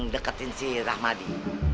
deketin si rahmadi